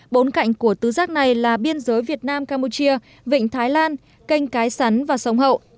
bốn cạnh của tứ giác này là biên giới việt nam campuchia vịnh thái lan kênh cái sắn và sông hậu